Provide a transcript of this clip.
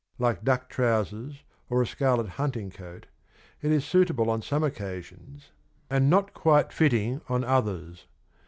Like duck trousers or a scarlet hunting coat, it is suitable on some occasions and not quite fitting on 110 others.